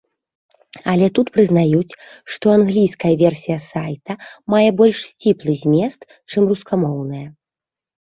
Але і тут прызнаюць, што англійская версія сайта мае больш сціплы змест, чым рускамоўная.